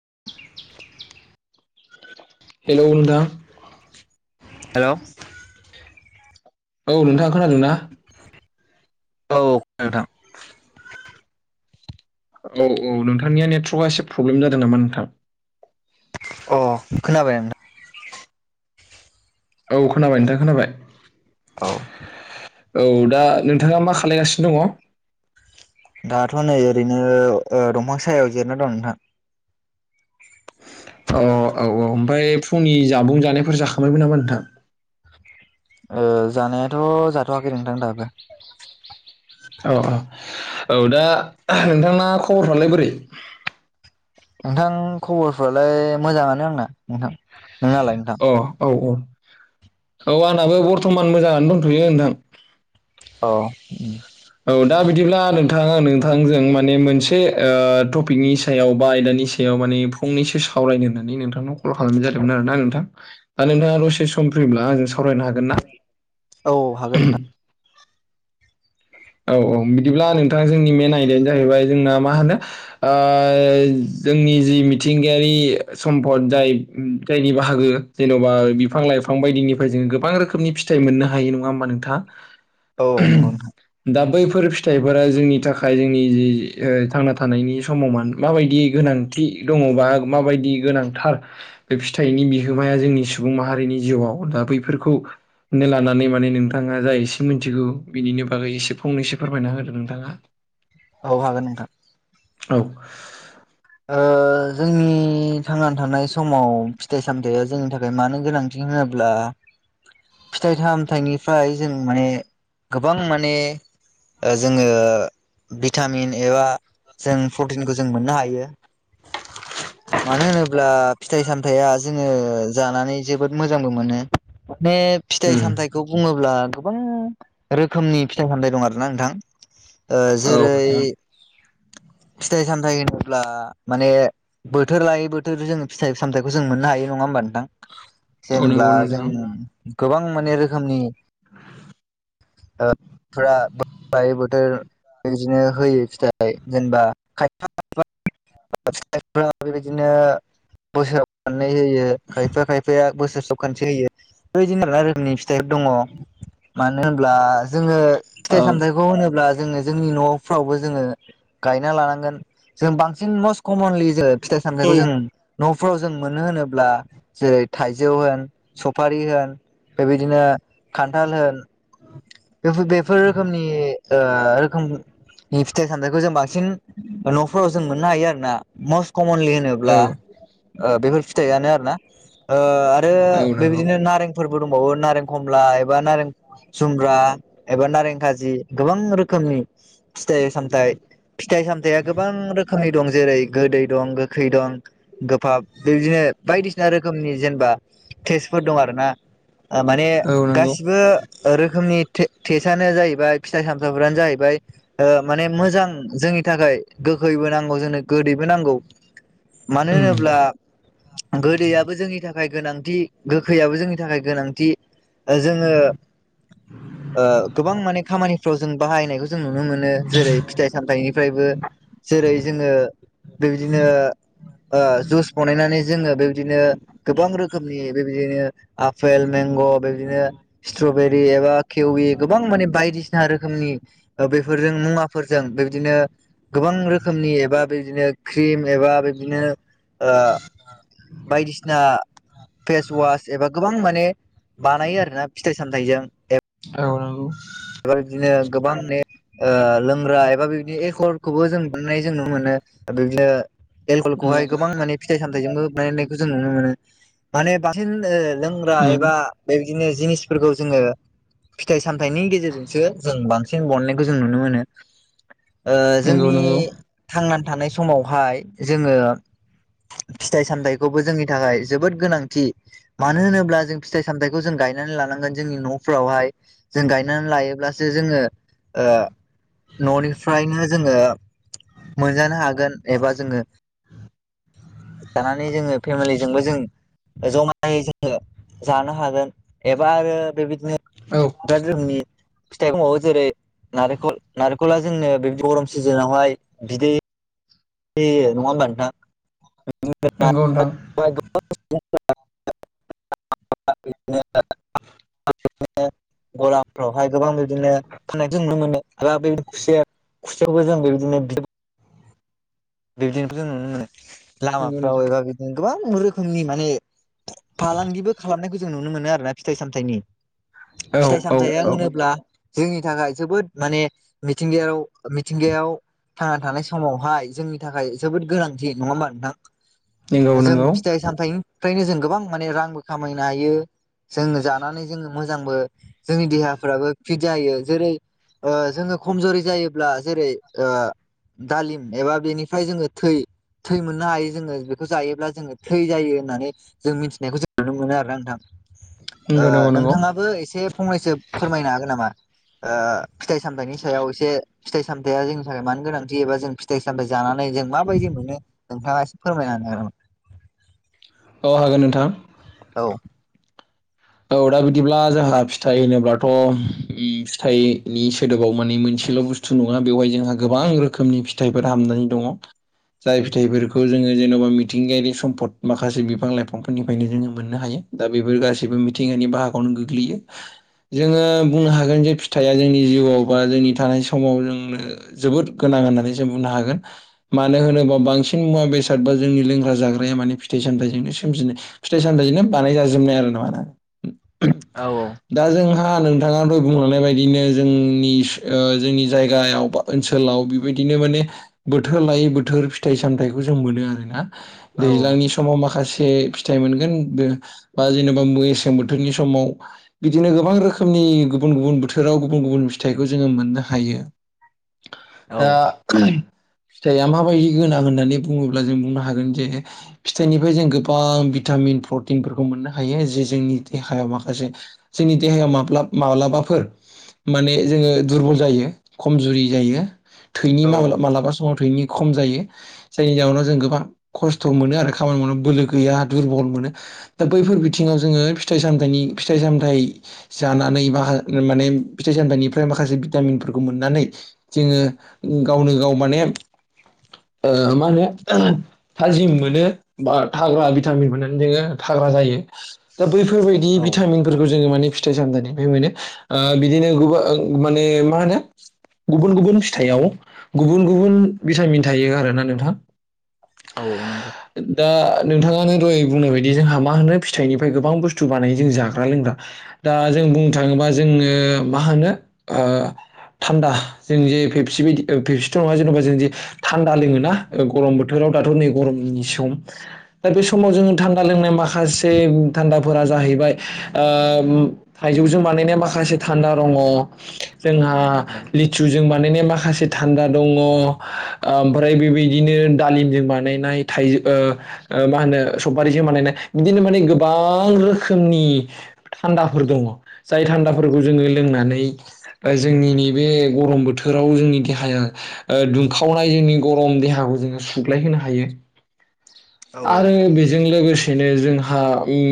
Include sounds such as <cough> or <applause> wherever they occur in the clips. <inaudible> हेल' नोंथां हेल' औ नोंथाङा खोनादों ना? औ नोंथां औ औ नोंथांनिया नेटवर्कआ एसे प्रब्लेम जादों नामा नोंथां अ खोनाबाय नोंथां औ खोनाबाय नोंथां खोनाबाय। नोंथां औ औ दा नोंथाङा मा खालायगासिनो दङ दाथ' नै ओरैनो ओह दंफां सायाव जिरायना दं नोंथां। औ औ औ ओमफ्राय फुंनि जाबुं जानायफोर जाखांबायबो नामा नोंथां? ओ जानायाथ' जाथ'वाखै नोंथां दाबो औ औ औ दा नोंथांना खबरफ्रालाय बोरै? नोंथां खबरफ्रालाय मोजाङानो आंना नोंथां नोंनालाय नोंथां अ औ औ औ आंनाबो बर्थमान मोजाङानो दंथ'यो नोंथां। औ औ दा बिदिब्ला नोंथांआ नोंथांजों माने मोनसे टपिकनि सायाव बा आयदानि सायाव फंनैसो सावरायनानै नोंथाव कल खालामनाय जादोंमोन आरो ना नोंथां दा नोंथ दसे सम फैयोब्ला आंजों सावरायनो हागोन ना औ हागोन नोंथां औ औ बिदिब्ला नोंथाङा जोंनि मेन आयदायानो जाहैबाय जोंना मा होनो ओह जोंनि जि मिथिंगायारि सम्पद जाय जायनि बाहागो जेन'बा बिफां लाइफां बिफां बायदिनिफ्राय जोङो गोबां रोखोमनि फिथाइ मोननो हायो नङा होमबा नोंथांङा औ नंगौ नोंथां दा बैफोर फिथाइफोरा जोंनि थाखाय जोंनि जि थांना थानायनि समाव मान माबायदि गोनां थि दङबा माबायदि गोनांथार बे फिथाइनि बिहोमाया जोंनि सुबुं माहारिनि जिउ दा बैफोरखौनो लानानै माने नोंथाङा जा एसे मिथिगौ बिनि बागै एसे फंनैसो फोरमायना होदो नोंथाङा औ हागोन नोंथां औ ओ जोंनि नि थांनानै थानाय समाव फिथाइ सामथाइया जोंनि थाखाय मानो गोनांथि होनोब्ला फिथाइ सामथाइनिफ्राय जों माने गोबां माने जोङो भिटामिन एबा जों प्रटिनखौ जों मोननो हायो मानो होनोब्ला फिथाइ सामथाइया जोङो जानानै जोबोद मोजांबो मोनो बे उम फिथाइ सामथाइखौ बुङोब्ला गोबां रोखोमनि फिथाइ सामथाइ दं आरो ना नोंथां ओह औ जेरै फिथाइ सामथाइ होनोब्ला माने बोथोर लायै बोथोर जोङो फिथाइ सामथाइखौ जों मोननो हायो नङा होमबा नोंथां जेनेब्ला जों नोंथां गोबां माने रोखोमनि ओह बायै बोथोर बिदिनो होयो फिथाइ जेनेबा खायफा खायफा बेबायदिनो बोसोराव फिथाइ होयो खायफा खायफाया बोसोर सबखान्से होयो बेदिनो माना रोखोमनि फिथाइफोर दङ मानो होनब्ला जोङो औ नंगौ नोंथां औ फिथाइ सामथाइखौ होनोब्ला जोङो जोंनि न'फ्रावबो जोङो गायना लानांगोन जों बांसिन मस्ट कमनलि जोङो फिथाइ औ सामथाइखौ जों न'फोराव जों मोनो होनोब्ला जेरै थाइजौ होन सफारि होन बेबायदिनो खान्थाल होन बे बेफोर रोखोमनि ओ रोखोमनि फिथाइ सामथाइखौ जों बांसिन न'फोराव जों मोननो हायो आरोना मस्ट कमनलि होनोब्ला ओ बेफोर फिथाइयानो आरो ना ओह आरो नंगौ बेबायदिनो नारें फोरबो दंबावो नारें खमला एबा नारें जुमब्रा एबा नारें कारजि फिथाइ फिथाय फिथाइ सामथायाइया गोबां रोखोमनि दं जेरै गोदै दं गोखै दं गोफाब बेदिनो बायदिसिना रोखोमनि जेनेबा टेस्फोर दं आरोना ओह माने औ नंगौ गासिबो रोखोमनि ए थेसआनो जाहैबाय फिथाइ सामथाइफोरानो जाहैबाय ओ माने मोजां जोंनि थाखाय गोखैबो नांगौ जोंनो गोदैबो नांगौ मानो उम होनोब्ला गोदैयाबो जोंनि थाखाय गोनां थि गोखैयाबो जोंनि थाखाय गोनांथि जोङो ओ गोबां माने खामानिफ्राव जों बाहायनायखौ जों नुनो मोनो जेरै फिथाइ सामथायनिफ्रायबो जेरै जोङो बेबायदिनो ओ जुस बानायनानै जोङो बेबायदिनो गोबां रोखोमनि बेबायदिनो आपेल मेंग' बेदिनो स्ट्रबेरि एबा खेउवि गोबां माने बायदि सिना रोखोमनि ओ-बेफोरजों मुवा फोरजों बेबादिनो गोबां रोखोमनि एबा बेबादिनो क्रिम एबा बेबादिनो ओ- बायदिसिना- फेस वास एबा गोबां माने बानायो आरोना फिथाइ सामथाइजों ए औ नंगौ। बेफोर बायदिनो गोबां ने ओ-लोंग्रा एबा बेबादिनो एलकहलखौबो जों बानायनाय जों नुनो मोनो बिदिनो। एलकहलखौहाय गोबां माने फिथाइ सामथाइजोंबो बानायनायखौ जों नुनो मोनो माने बांसिन ओ- लोंग्रा उम एबा बेबायदिनो जिनिसफोरखौ जोङो फिथाइ सामथाइनि गेजेरज जो-जों बांसिन बहननायखौ जों नुनो मोनो। नंगौ ओ-जोंनि नंगौ औ थांना थानाय समावहाय जोङो फिथाइ सामथाइखौबो जोंनि थाखाय जोबोद गोनांथि। मानो होनोब्ला जों फिथाइ सामथाइखौ जों गायनानै लानांगोन जोंनि न'फोरावहाय जों गायनानै लायो। अब्लासो जोङो ओ न'निफ्रायनो जोङो मोनजानो हागोन एबा जोङो। जानानै जोङो फेमिलिजोंबो जों। जमायै जोङो जानो हागोन एबा आरो बेबाय नंगौ दिनो जोंनि फिथाइ दंबावो जेरै नारेंखल नारेंखला जोंनो बिबादि गरम सिजोनावहाय बिदै। ए नङा होनबा नोथां <unintelligible> <unintelligible> नोंथां गलाफ्रावहाय गोबां बिदिनो फाननायखौ नुनो मोनो आरो बेबायदिनो खुसेर। खुसेरखौ जों बेबायदिनो बिद बिबदिनो जों नुनो मोनो नंगौ लामाफ्राव नोंथां एबा बिदिनो गोबां रोखोमनि माने फालांगिबो खालामनायखौ जों नुनो मोनो आरो ना फिथाइ सामथायनि। औ फिथाइ सामथाया औ होनोब्ला जोंनि थाखाय जोबोद माने मिथिंगायाव मिथिंगायाव थांना थानाय समावहाय जों थाखाय जोबोद गोनांथि नङा होमबा नोंथां? नंगौ जों नंगौ फिथाइ सामथाइ फ्रायनो जों गोबां माने रांबो खामायनो हायो। जोङो जानानै जोङो मोजांबो जोंनि देहाफ्राबो फिट जायो जेरै- ओ-जोङो खमजरि जायोब्ला जेरै ओ- दालिम एबा बेनि फ्राय जोङो थै थै मोननो हायो जोङो बेखौ जायोब्ला जोङो थै जायो होननानै जों मिथिनायखौ जों नुनो मोनो आरोना नोंथां। नंगौ नंगौ नंगौ ओ-नोंथाङाबो एसे फंनैसो फोरमायनो हागोन नामा? ओ- फिथाइ सामथाइनि सायाव एसे फिथाइ सामथाइया जोंनि थाखाय मानो गोनांथि एबा जों फिथाइ सामथाइ जाना नै जों माबायदि मोनो नोंथाङा एसे फोरमायना होनो हागोन ना? औ हागोन नोंथां। औ औ दा बिदिब्ला जोंहा फिथाइ होनोब्लाथ' उम फिथाइनि सोदोबाव माने मोनस सेल' बुस्थु नङा बेवहाय जोंहा गोबां रोखोमनि फिथाइफोर हाबनानै दङ। जाय फिथाइफोरखौ जोङो जेन'बा मिथिंगायारि सम्पद माखासे बिफां लाइफांफोरनिफ्रायनो जोङो मोननो हायो। दा बेफोर गासैबो मिथिंगानि बाहागोआवनो गोग्लैयो। जोङो बुंनो हागोन जे फिथाइया जोंनि जिउआव बा जोंनि थानाय समाव जोंनो जोबोद गोनां। होननानै जों बुंनो हागोन मानो होनोबा बांसिन मुवा बेसाद बा जोंनि लोंग्रा जाग्राया माने फिथाइ स थायनो सोमजिनाय फिथाइ सामथायजोंनो बानाय जाजोबनाय आरो नङाना। औ दा जोंहा नोंथाङाबो बुंलानाय बायदिनो जोंनि ओ-जोंनि जायगायाव बा ओनसोलाव बेबायदि दिनो माने बोथोर लायै बोथोर फिथाइ सामथायाइखौ जों मोनो आरोना। औ दैज्लांनि समाव माखासे फिथाइ मोनगोन बा जेनेबा मेसें बोथ थोरनि समाव बिदिनो गोबां रोखोमनि गुबुन गुबुन बोथोराव गुबुन गुबुन फिथाइखौ जोङो मोननो हायो। <unintelligible> औ दा फिथाइआ माबायदि गोनां होननानै बुङोब्ला जों बुंनो हागोन जे फिथाइनिफ्राय जों गोबां बिथा टामिन प्रटिनफोरखौ मोननो हायो जे जोंनि देहायाव माखासे जोंनि देहायाव माब्लाब माब्लाबाफोर माने जोङो दुरबल जायो खमजुरि जायो थैनि औ मालाबा समाव थैनि खम जायो जायनि जाउनाव जों गोबां खस्थ‌मोनो आरो खामानि मावनाय बोलो गैया दुरबल मोनो। दा बैफोर बिथिङाव जोङो फि थाइ सामथायनि फिथाइ सामथाय जानानै बा माने फिथाइ सामथायाइनिफ्राय माखासे भिटामिन फोरखौ मोननानै जोङो गावनो गाव माने ओ मा होनो थाजिम मोनो बा थाग्रा भिटामिन मोननानै जोङो था ग्रा जायो दा बैफोरबायदि औ भिटामिनफोरखौ जोङो माने फिथाइ सामथाइनिफ्राय मोनो ओ बिदिनो गुबां माने मा होनो गुबुन गुबुन फिथाइयाव गुबुन गुबुन भिटामिन थायो आरोना नोंथां। औ नंगौ। दा नोंथाङानो दय बुंनाय बायदि जोंहा मा होनो फिथाइनिफ्राय गोबां बुस्थ थु बानाय जों जाग्रा लोंग्रा दा जों बुंनो थाङोबा जोङो मा होनो ओ थान्दा जों जे फेबसि बायदि फेबसिथ‌ नङा जेनबा जों जे थान्दा लोङोना गरम बोथोराव राव दाथ नै गरमनि सम दा बे समाव जोङो थान्दा लोंनाय माखासे था फोरा जाहैबाय ओ थाइजौजों बानायनाया माखासे थान्दा दङ जोंहा औ लिचुजों बा नायनाय माखासे थान्दा दङ ओमफ्राय बेबायदिनो दालिमजों बानायनाय थाय ओ ओ मा होनो सफारिजों बानायनाय बिदिनो माने गोबां बां रोखोमनि थान्दाफोर दङ जाय थान्दाफोरखौ जोङो लोंनानै ओ जोंनि नैबे गरम बोथोराव जोंनि देहाया ओ दुंखावनाय जोंनि गरम देहाखौ जोङो सुग्लाय होनो हायो। औ आरो बेजों लोगोसे सेनो जोंहा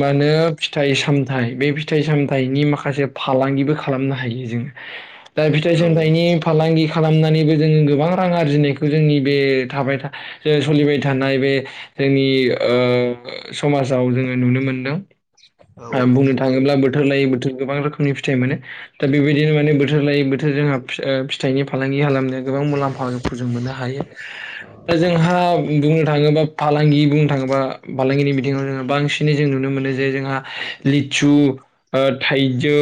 मा होनो फिथाइ सामथाइ बे फिथाइ सामथनि माखासे फालांगिबो खालामनो हायो जों दा फिथाइ औ सामथाइनि फालांगि खालामनानैबो जोङो गोबां रां आरजिनायखौ जोंनि बे थाबाय थख सलिबाय थानाय बे जोंनि ओ समाजाव जोङो नुनो मोनदों ओ बुंनो थाङोब्लाबो बोथोर लायै बोथोर गोबां रोखोमनि फिथाइ मोनो दा बेबायदिनो माने बोथोर लायै बोथोर जोंहा फि थाइनि फालांगि खालामनाया गोबां मुलाम्फाखौ जों मोननो हायो दा जोंहा बुं थाङोबा फालांगि बुंनो थाङोबा फालांगिनि बिथिङाव जोङो बांसिनै जों नुनो मोनो जे जोंहा लिचु ओ थाइजौ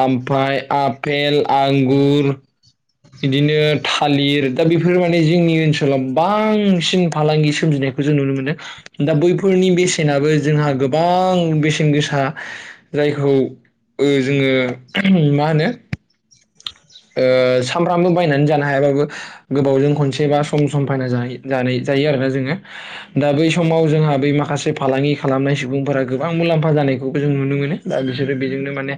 ओमफ्राय आपेल आंगुर बिदिनो थालिर दा बेफोर माने जोंनि ओनसोलाव बांसिन फालांगि सोमजिनाय खो जों नुनो मोनदों दा बैफोरनि बेसेनाबो जोंहा गोबां बेसेन गोसा जायखौ ओ जोङो मा होनो ओ सामफ्रामबो बायनानै जानो हायाबाबो गोबावजों खनसे बा सम सम बायना जायो जानाय जायो आरोना जोङो दा बै औ समाव जोंहा बै माखासे से फालांगि खालामनाय सुबुंफोरा गोबां मुलाम्फा जानायखौबो जों नुनो मोनो दा बिसोरो बेजोंनो माने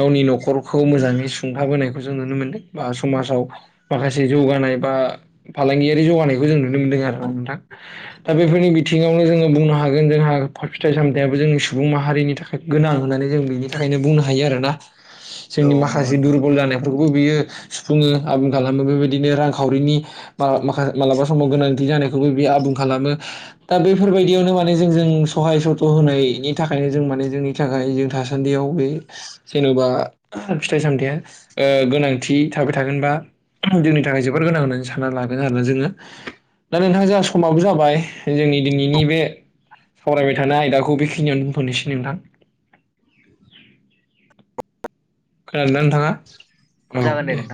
गावनि नखरखौ मोजाङै सुंथाबोनायखौ जों नुनो मोनदों बा समाजाव माखासे जौगानाय बा फालांगियारि जौगानायखौ जों नुनो मोनदों आरोना नोंथां दा बेफोरनि बिथिङावनो जोङो बुंनो हागोन जोंहा फा फिथाइ सामथाइयाबो जोंनि सुबुं मा हारिनि थाखाय गोनां होननानै जों बेनि थाखायनो बुंनो हायो आरोना जोंनि नंगौ माखासे नोंथां दुरबल जानाय खौबो बियो सुफुङो आबुं खालामो बेबायदिनो रांखावरिनि बा माखा मालाबा समाव गोनांथि थि जानायखौबो बियो आबुं खालामो दा बेफोरबायदियावनो माने जों जों सहाय सथ होनायनि थाखायनो जों माने जोंनि थाखाय जों थासान्दियाव बे जेनबा फिथाइ सामथाइया ओ गोनांथि थाबाय थागोन बा जोंनि थाखाय जोबोर गोनां होननानै सानना लागोन आरोना जोङो। दा नोंथां जोंहा समाबो जाबाय जोंनि दिनैनि बे सावरायबाय थानाय आयदाखौ बेखिनियावनो दोनथ'नोसै नोंथां। <inaudible> खोनादोंना नोंथाङा? औ जागोन दे। नोंथां